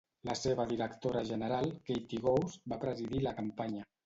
La seva directora general, Katie Ghose, va presidir la campanya.